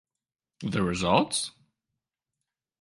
The results?